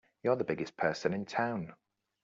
You're the biggest person in town!